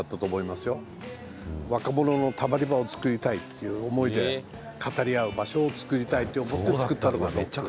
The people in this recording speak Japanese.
若者のたまり場を作りたいっていう思いで語り合う場所を作りたいって思って作ったのがＲＯＣＫ。